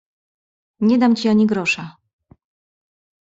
"Nie dam ci ani grosza."